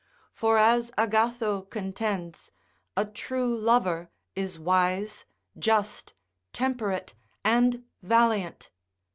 For as Agatho contends, a true lover is wise, just, temperate, and valiant.